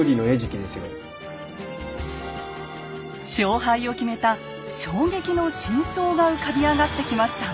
勝敗を決めた衝撃の真相が浮かび上がってきました。